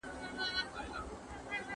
¬ چي خان ئې، په ياران ئې.